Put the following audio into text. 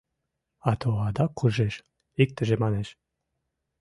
Ато адак куржеш», — иктыже манеш.